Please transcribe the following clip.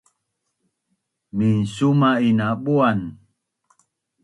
Minsuma’in na buan